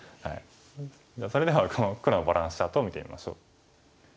じゃあそれではこの黒のバランスチャートを見てみましょう。